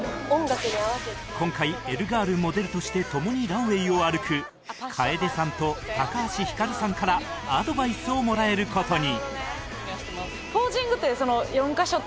今回 ＥＬＬＥｇｉｒｌ モデルとして共にランウェイを歩く楓さんと橋ひかるさんからアドバイスをもらえる事に